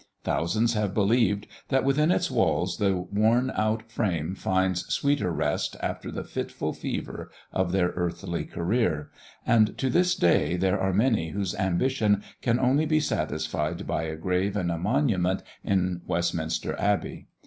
Thousands have believed, that within its walls the worn out frame finds sweeter rest after the fitful fever of their earthly career; and to this day there are many whose ambition can only be satisfied by a grave and a monument in Westminster Abbey.